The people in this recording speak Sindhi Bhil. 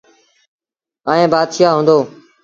ائيٚݩ بآتشآه هُݩدو۔